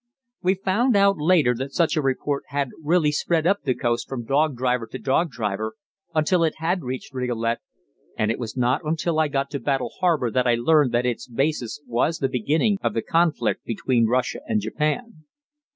We found out later that such a report had really spread up the coast from dog driver to dog driver until it had reached Rigolet, and it was not until I got to Battle Harbour that I learned that its basis was the beginning of the conflict between Russia and Japan.